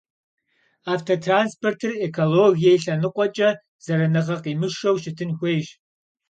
Автотранспортыр экологие и лъэныкъуэкӀэ зэраныгъэ къимышэу щытын хуейщ.